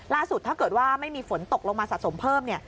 ล่าสุดถ้าเกิดว่าไม่มีฝนตกลงมาสะสมเพิ่ม